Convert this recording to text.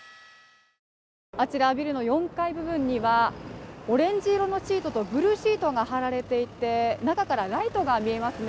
あちらはビルの４階部分にはオレンジ色のシートとブルーシートが張られていて中からライトが見えますね